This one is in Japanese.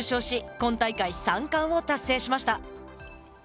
今大会三冠を達成しました。